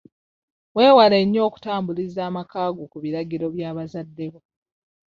Weewale nnyo okutambuliza amakaago ku biragiro bya bazadde bo.